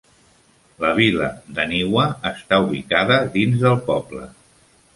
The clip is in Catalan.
La vila d'Aniwa està ubicada dins del poble.